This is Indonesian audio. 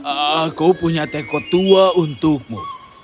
aku punya teko tua untukmu